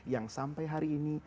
yang sampai hari ini